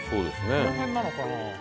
この辺なのかな？